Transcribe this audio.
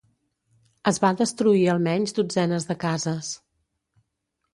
Es va destruir almenys dotzenes de cases.